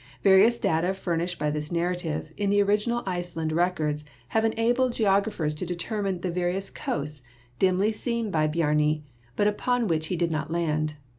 Various data fur nished by this narrative, in the original Iceland records, have enabled geographers to determine the various coasts dimly seen by Bjarni, but upon which he did not land.